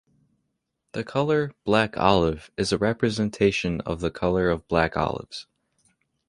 The color "black olive" is a representation of the color of black olives.